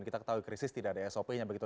kita ketahui krisis tidak ada sop nya begitu